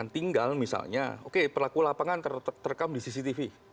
tinggal misalnya oke pelaku lapangan terekam di cctv